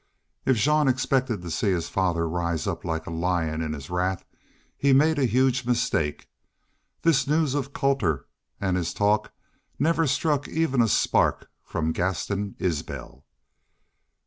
If Jean expected to see his father rise up like a lion in his wrath he made a huge mistake. This news of Colter and his talk never struck even a spark from Gaston Isbel.